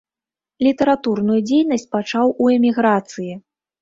Літаратурную дзейнасць пачаў у эміграцыі.